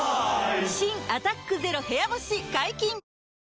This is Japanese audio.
新「アタックＺＥＲＯ部屋干し」解禁‼